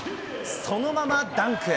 そのままダンク。